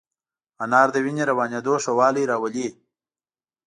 انار د وینې روانېدو ښه والی راولي.